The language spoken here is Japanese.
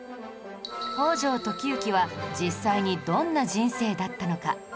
北条時行は実際にどんな人生だったのか